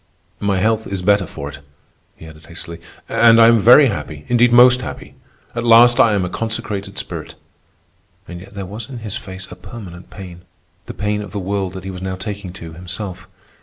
"My health is better for it," he added hastily. "And I am very happy—indeed, most happy. At last I am a consecrated spirit." And yet there was in his face a permanent pain, the pain of the world that he was now taking to himself.